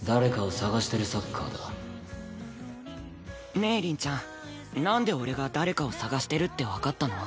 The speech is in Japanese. ねえ凛ちゃんなんで俺が誰かを探してるってわかったの？